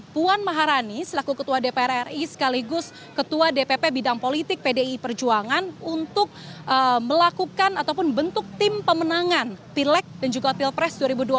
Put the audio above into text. puan maharani selaku ketua dpr ri sekaligus ketua dpp bidang politik pdi perjuangan untuk melakukan ataupun bentuk tim pemenangan pilek dan juga pilpres dua ribu dua puluh